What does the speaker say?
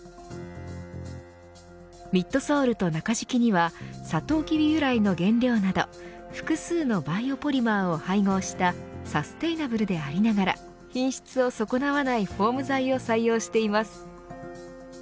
ミッドソールと中敷きにはサトウキビ由来の原料など複数のバイオポリマーを配合したサステイナブルでありながら品質を損なわないフォーム材を採用しています。